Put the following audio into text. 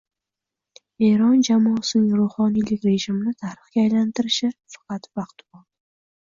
Eron jamoasining ruhoniylik rejimini tarixga aylantirishi faqat vaqt qoldi